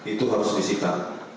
itu harus disita